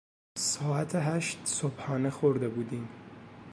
ساعت هشت صبحانه خورده بودیم.